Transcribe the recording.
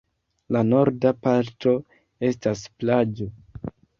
La norda parto estas plaĝo.